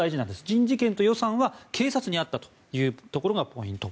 人事権と予算は警察にあったというところがポイント。